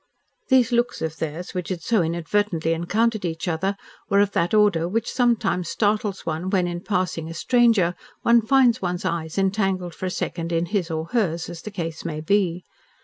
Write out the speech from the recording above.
These looks of theirs which had so inadvertently encountered each other were of that order which sometimes startles one when in passing a stranger one finds one's eyes entangled for a second in his or hers, as the case may be.